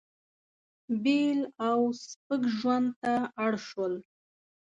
بېل او سپک ژوند ته اړ شول.